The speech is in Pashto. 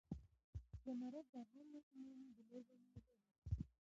زمرد د افغان ماشومانو د لوبو موضوع ده.